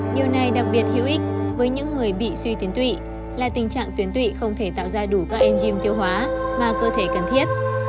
điều này đặc biệt hữu ích với những người bị suy tuyến tụy là tình trạng tuyến tụy không thể tạo ra đủ các en tiêu hóa mà cơ thể cần thiết